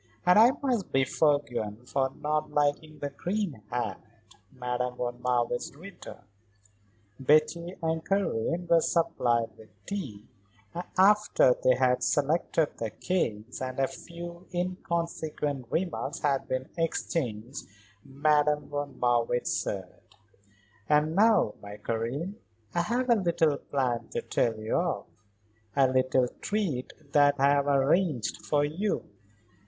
"And I must be forgiven for not liking the green hat," Madame von Marwitz returned. Betty and Karen were supplied with tea, and after they had selected their cakes, and a few inconsequent remarks had been exchanged, Madame von Marwitz said: "And now, my Karen, I have a little plan to tell you of; a little treat that I have arranged for you.